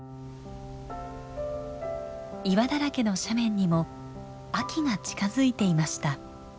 岩だらけの斜面にも秋が近づいていました。